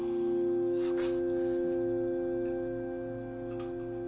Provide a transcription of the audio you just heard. そうか。